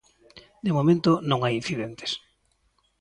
De momento non hai incidentes.